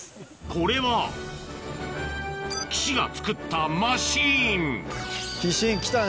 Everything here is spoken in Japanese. これは岸が作ったマシーンキシーンきたね。